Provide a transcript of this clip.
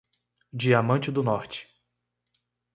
Diamante do Norte